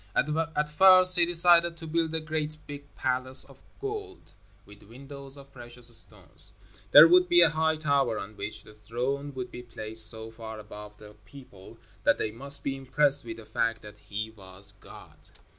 At first he decided to build a great big palace of gold, with windows of precious stones. There would be a high tower on which the throne would be placed so far above the people that they must be impressed with the fact that he was God.